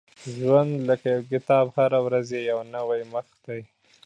• ژوند لکه یو کتاب دی، هره ورځ یې یو نوی مخ دی.